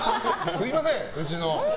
すみません、うちの。